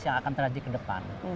yang akan terjadi ke depan